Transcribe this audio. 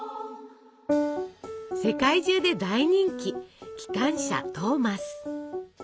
世界中で大人気「きかんしゃトーマス」。